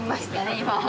今。